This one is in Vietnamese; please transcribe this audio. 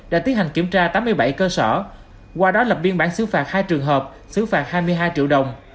đã tiến hành kiểm tra tám mươi bảy cơ sở qua đó lập biên bản xứ phạt hai trường hợp xứ phạt hai mươi hai triệu đồng